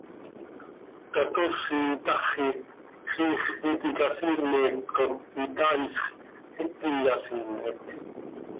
tatoozi itaxi, ziix iti icasiimet cop itaaisx, iti yasiimet.